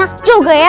agar dirunung bencana